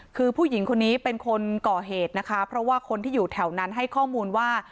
คือผู้หญิงคนนี้เป็นคนก่อเหตุนะคะเพราะว่าคนที่อยู่แถวนั้นให้ข้อมูลว่า